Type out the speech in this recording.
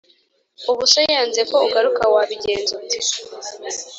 ubuse yanze ko ugaruka wabigenza ute